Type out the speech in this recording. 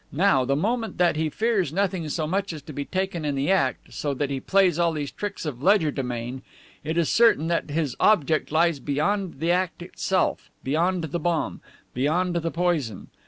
Now, the moment that he fears nothing so much as to be taken in the act, so that he plays all these tricks of legerdemain, it is certain that his object lies beyond the act itself, beyond the bomb, beyond the poison.